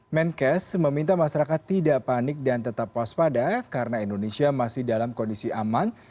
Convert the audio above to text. menkes meminta masyarakat tidak panik dan tetap waspada karena indonesia masih dalam kondisi aman